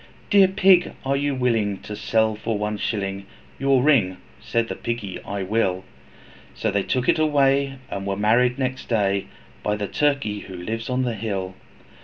'Dear Pig, are you willing, to sell for one shilling Your ring?' Said the Piggy, 'I will.' So they took it away, and were married next day, By the Turkey who lives on the hill.